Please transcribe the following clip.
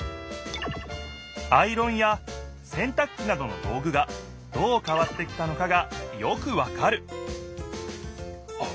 アイロンやせんたく機などの道具がどう変わってきたのかがよくわかるあっ